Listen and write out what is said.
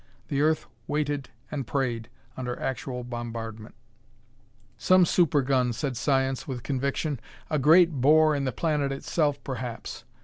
The earth waited and prayed under actual bombardment. Some super gun, said science with conviction; a great bore in the planet itself, perhaps.